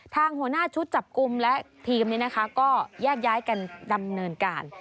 ทางหัวหน้าชุดจับกลุ่มและทีมนี้นะคะก็แยกย้ายกันดำเนินการ